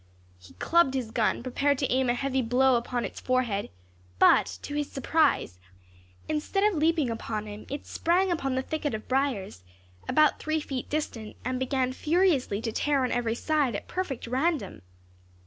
He clubbed his gun, prepared to aim a heavy blow upon its forehead, but, to his surprise, instead of leaping upon him, it sprang upon the thicket of briers, about three feet distant, and began furiously to tear on every side at perfect random.